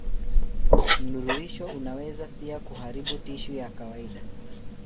Mnururisho unaweza pia kuharibu tishu ya kawaida.